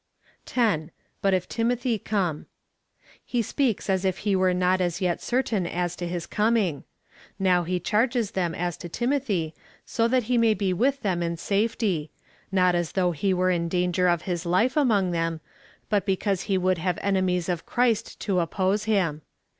10. But if Timothy come. He speaks as if he were not as yet certain as to his coming. Now he charges them as to Timothy, so that he may be with them in safety — not as though he were in danger of his life among them, but be cause he would have enemies of Christ^ to oppose him.